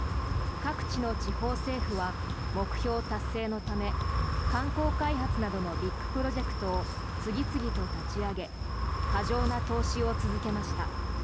各地の地方政府は目標達成のため観光開発のためのビッグプロジェクトを次々と立ち上げ過剰な投資を続けました。